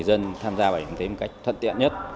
sinh sống tại quốc gia